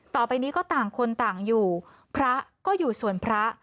ต่อไปนี้ก็ต่างคนต่างอยู่พระก็อยู่ส่วนพระ